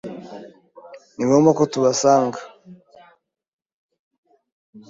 Ni ngombwa ko tubasanga.